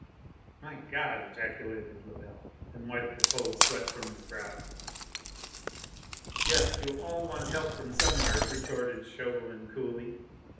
"My God!" ejaculated Lebel, and wiped the cold sweat from his brow. "Yes, you'll all want help from somewhere," retorted Chauvelin coolly.